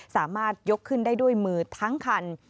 สามารถยกขึ้นได้ด้วยมือทั้งคัน